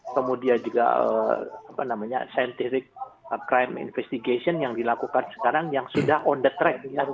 kemudian juga scientific crime investigation yang dilakukan sekarang yang sudah on the track